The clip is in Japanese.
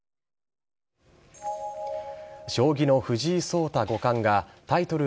将棋の藤井聡太五冠がタイトル